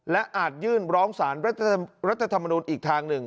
และอาจยื่นร้องสารรัฐธรรมนูลอีกทางหนึ่ง